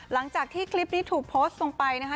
หลังจากที่คลิปนี้ถูกโพสต์ลงไปนะคะ